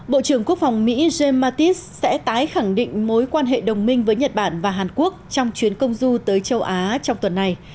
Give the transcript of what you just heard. bộ trưởng quốc phòng mỹ james mattis sẽ tái khẳng định mối quan hệ đồng minh với nhật bản và hàn quốc trong chuyến công du tới châu á trong tuần này